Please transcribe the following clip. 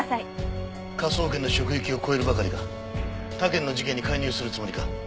科捜研の職域を越えるばかりか他県の事件に介入するつもりか？